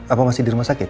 apa masih di rumah sakit